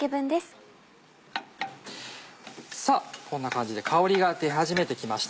さぁこんな感じで香りが出始めて来ました。